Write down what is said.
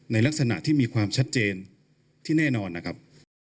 ในลักษณะที่มีความชัดเจนที่แน่นอนนะครับ